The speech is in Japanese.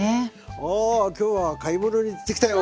お今日は買い物に行ってきたよ。